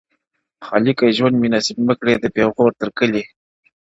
خالقه ژوند مي نصیب مه کړې د پېغور تر کلي-